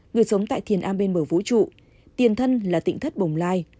người sống tại thiền a bên bờ vũ trụ tiền thân là tỉnh thất bồng lai